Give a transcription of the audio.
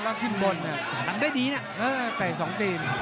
เหมือนนี้เนี่ยเก้าให้สองตีน